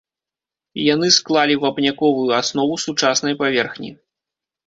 Яны склалі вапняковую аснову сучаснай паверхні.